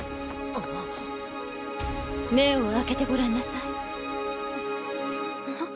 目を開けてごらんなさい。